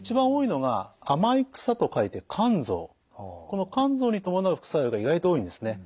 この甘草に伴う副作用が意外と多いんですね。